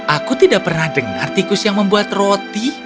aku tidak pernah dengar tikus yang membuat roti